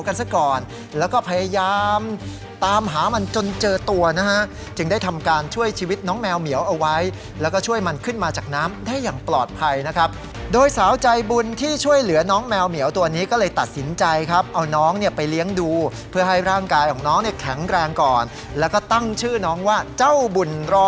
กันซะก่อนแล้วก็พยายามตามหามันจนเจอตัวนะฮะจึงได้ทำการช่วยชีวิตน้องแมวเหมียวเอาไว้แล้วก็ช่วยมันขึ้นมาจากน้ำได้อย่างปลอดภัยนะครับโดยสาวใจบุญที่ช่วยเหลือน้องแมวเหมียวตัวนี้ก็เลยตัดสินใจครับเอาน้องเนี่ยไปเลี้ยงดูเพื่อให้ร่างกายของน้องเนี่ยแข็งแรงก่อนแล้วก็ตั้งชื่อน้องว่าเจ้าบุญรอ